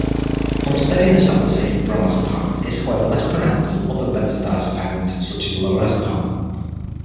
Unsteadiness after taking bromazepam is, however, less pronounced than other benzodiazepines such as lorazepam.